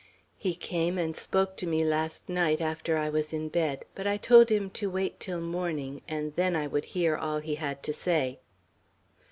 "He came and spoke to me last night after I was in bed; but I told him to wait till morning, and then I would hear all he had to say."